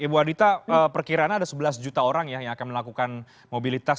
ibu adita perkiranya ada sebelas juta orang ya yang akan melakukan mobilitas